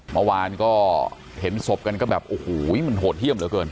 เมื่อวานก็เห็นศพกันก็แบบโอ้โหมันโหดเยี่ยมเหลือเกิน